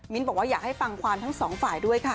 บอกว่าอยากให้ฟังความทั้งสองฝ่ายด้วยค่ะ